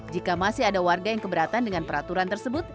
jika masih ada warga yang keberatan dengan peraturan tersebut